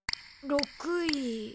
６位。